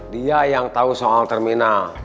dia yang tahu soal terminal